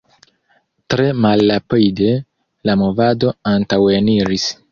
Tre malrapide la movado antaŭeniris.